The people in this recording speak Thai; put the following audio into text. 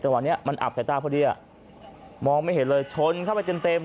วันนี้มันอับสายตาพอดีอ่ะมองไม่เห็นเลยชนเข้าไปเต็มเต็ม